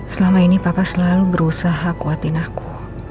selama ini papa selalu berusaha kuatin aku